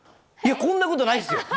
こんなことないですよ？